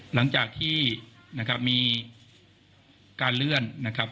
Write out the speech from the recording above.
หลังจากที่นะครับมีการเลื่อนนะครับ